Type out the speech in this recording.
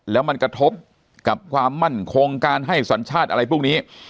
แล้วมันกระทบกับความมั่นคงการให้สัญชาติอะไรพวกนี้